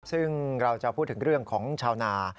ซึ่งเราจะพูดถึงเรื่องของชาวนา